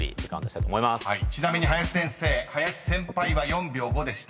［ちなみに林先生林先輩は４秒５でした］